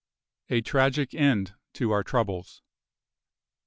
A TRAGIC END TO OUR TROUBLES.